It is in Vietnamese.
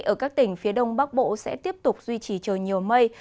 ở các tỉnh phía đông bắc bộ sẽ tiếp tục duy trì trời nhiều mây